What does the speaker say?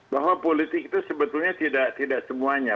bahwa politik itu sebetulnya tidak semuanya